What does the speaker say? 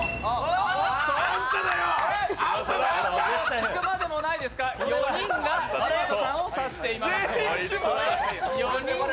聞くまでもないですか、４人が嶋佐さんを指しています。